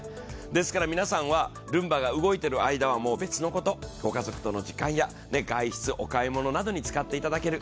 ですから、皆さんはルンバが動いている間は別のことご家族との時間や外出、お買いものなどに使っていただける。